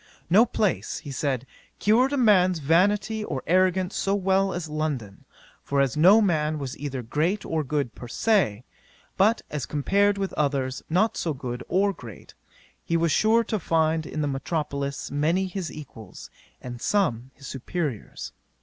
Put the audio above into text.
No place, (he said,) cured a man's vanity or arrogance so well as London; for as no man was either great or good per se, but as compared with others not so good or great, he was sure to find in the metropolis many his equals, and some his superiours.